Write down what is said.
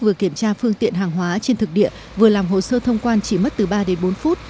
vừa kiểm tra phương tiện hàng hóa trên thực địa vừa làm hồ sơ thông quan chỉ mất từ ba đến bốn phút